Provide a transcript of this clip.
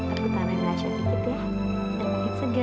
aku tambahin rasa dikit ya dan bikin segar